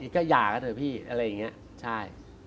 ก็หย่ากันเถอะพี่อะไรอย่างนี้ใช่